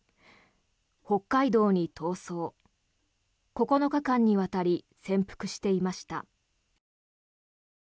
北海道に逃走、９日間にわたり潜伏していました。